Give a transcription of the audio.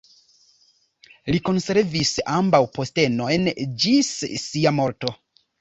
Li konservis ambaŭ postenojn ĝis sia morto.